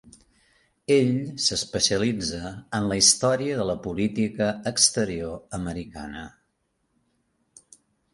Ell s'especialitza en la història de la política exterior americana.